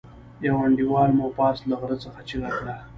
يوه انډيوال مو پاس له غره څخه چيغه کړه.